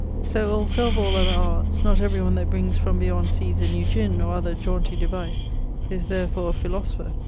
] 'So also of all other arts; not every one that brings from beyond seas a new gin, or other janty devise, is therfore a philosopher.